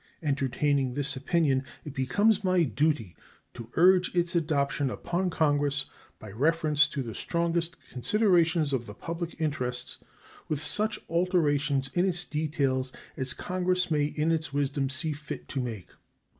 Entertaining this opinion, it becomes my duty to urge its adoption upon Congress by reference to the strongest considerations of the public interests, with such alterations in its details as Congress may in its wisdom see fit to make.